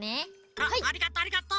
あっありがとありがと。